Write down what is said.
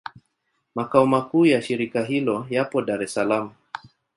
Makao makuu ya shirika hilo yapo Dar es Salaam.